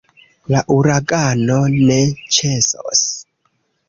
La uragano ne ĉesos.